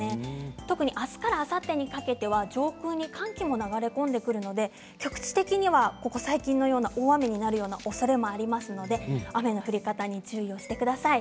特にあすからあさってにかけて上空に寒気も流れ込んでくるので局地的には、ここ最近のような大雨になるようなおそれもありますので雨の降り方に注意してください。